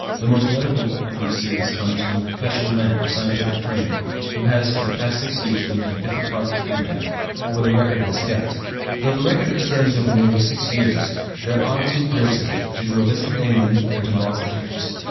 The most notable of these series comes from a professional man, of scientific training, who has for the past six years lived in different parts of India, where the record was kept. Though the record extends over nearly six years, there are two breaks in it, due to a visit to England, and to loss of interest.